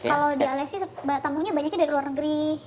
kalau di alexis tamunya banyaknya dari luar negeri